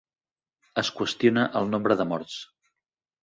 Es qüestiona el nombre de morts.